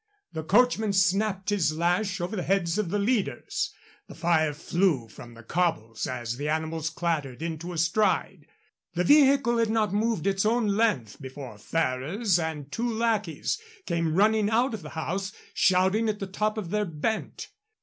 The coachman snapped his lash over the heads of the leaders. The fire flew from the cobbles as the animals clattered into a stride. The vehicle had not moved its own length before Ferrers and two lackeys came running out of the house, shouting at the top of their bent.